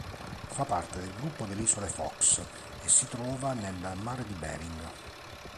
Fa parte del gruppo delle isole Fox e si trova nel mare di Bering.